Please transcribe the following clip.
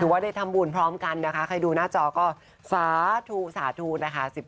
ว่าได้ทำบุญพร้อมกันนะคะใครดูหน้าจอก็สาธุสาธุนะคะ